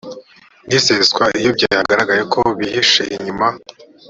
n iseswa iyo byagaragaye ko bihishe inyuma